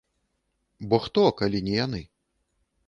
Бо хто, калі не яны?